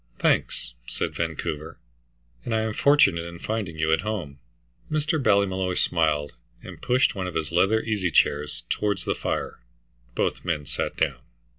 "Thanks," said Vancouver, "and I am fortunate in finding you at home." Mr. Ballymolloy smiled, and pushed one of his leather easy chairs towards the fire. Both men sat down.